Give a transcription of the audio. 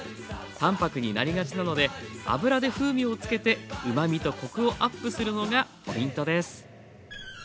淡泊になりがちなので油で風味をつけてうまみとコクをアップするのがポイントです。